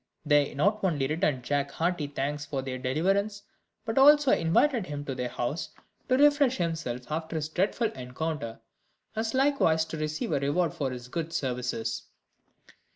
They not only returned Jack hearty thanks for their deliverance, but also invited him to their house, to refresh himself after his dreadful encounter, as likewise to receive a reward for his good services.